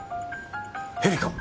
ヘリか？